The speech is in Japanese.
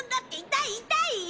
痛い痛いよ！